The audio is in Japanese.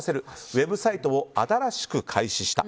ウェブサイトを新しく開始した。